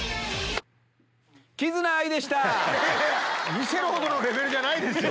見せるほどのレベルじゃないですよ。